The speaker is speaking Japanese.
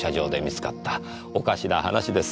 おかしな話です。